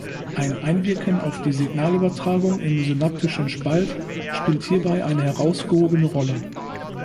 Ein Einwirken auf die Signalübertragung im synaptischen Spalt spielt hierbei eine herausgehobene Rolle.